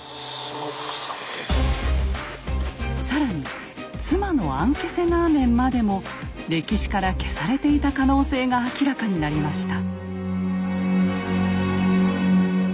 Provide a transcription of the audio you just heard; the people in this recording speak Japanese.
更に妻のアンケセナーメンまでも歴史から消されていた可能性が明らかになりました。